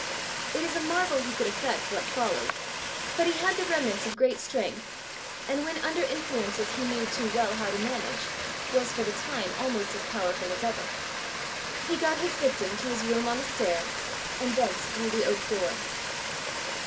It is a marvel he could effect what followed; but he had the remnants of great strength, and when under influences he knew too well how to manage, was for the time almost as powerful as ever: he got his victim to his room on the stair, and thence through the oak door.